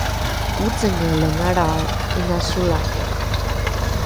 ocengelengalrao ’ina solate